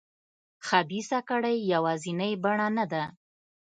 خبیثه کړۍ یوازینۍ بڼه نه ده.